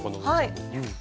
はい。